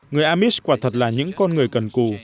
người amis quả thật là những con người cần cù